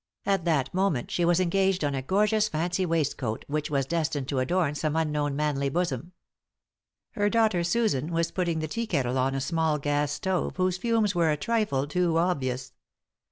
At that moment she was engaged on a gorgeous fancy waist coat which was destined to adorn some unknown manly bosom. Her daughter, Susan, was putting the tea kettle on a small gas stove whose fumes were a trifle too obvious.